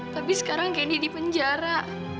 tapi sekarang kendi di penjara